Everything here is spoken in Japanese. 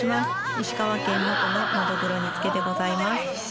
石川県能登ののどぐろ煮付けでございます。